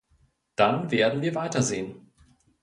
Dann werden wir weitersehen.